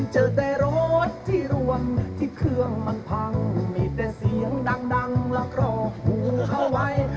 เจอแต่รถที่รวมที่เครื่องมันพังมีแต่เสียงดังแล้วก็หูเข้าไว้